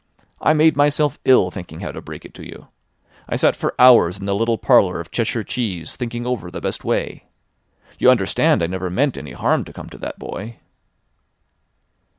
I made myself ill thinking how to break it to you. I sat for hours in the little parlour of Cheshire Cheese thinking over the best way. You understand I never meant any harm to come to that boy."